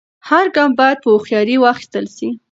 هر ګام باید په هوښیارۍ واخیستل سي.